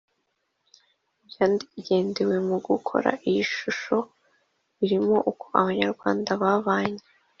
ibyagendeweho mu gukora iyi shusho birimo uko Abanyarwanda babanye